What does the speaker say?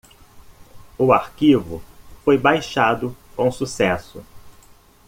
O arquivo foi baixado com sucesso.